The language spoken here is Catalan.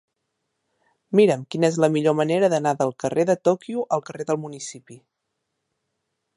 Mira'm quina és la millor manera d'anar del carrer de Tòquio al carrer del Municipi.